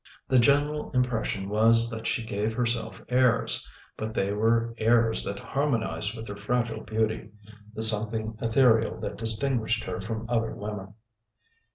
The general impression was that she gave herself airs: but they were airs that harmonised with her fragile beauty, the something ethereal that distinguished her from other women.